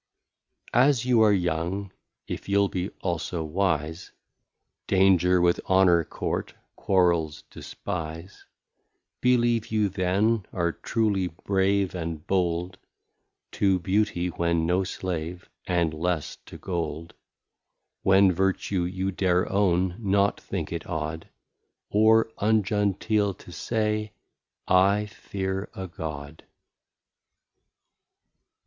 As you are Young, if you'l be also Wise, Danger with Honour court, Quarrels despise; Believe you then are truly Brave and Bold, To Beauty when no Slave, and less to Gold; When Vertue you dare own, not think it odd, Or ungenteel to say, I fear a God.